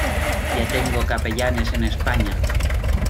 ya tengo capellanes en España.